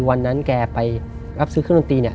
วันนั้นแกไปรับซื้อเครื่องดนตรีเนี่ย